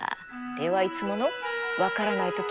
ではいつもの分からない時は？